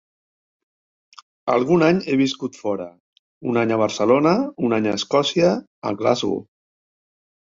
Algun any he viscut fora: un any a Barcelona, un any a Escòcia, a Glasgow.